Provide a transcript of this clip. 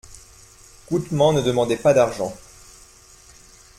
Goutman ne demandait pas d'argent.